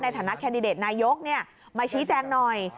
ฐานะแคนดิเดตนายกมาชี้แจงหน่อย